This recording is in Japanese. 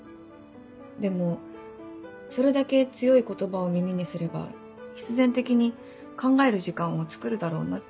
でもそれだけ強い言葉を耳にすれば必然的に考える時間をつくるだろうなって思う。